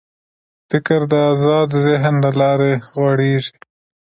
فکر د آزاد ذهن له لارې غوړېږي.